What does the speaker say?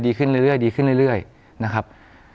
ดีขึ้นเรื่อยดีขึ้นเรื่อยนะครับ